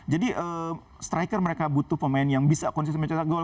jadi striker mereka butuh pemain yang bisa konsistensi mencetak gol